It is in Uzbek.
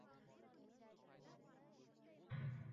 Maʼsumaning koʼp kitob oʼqishi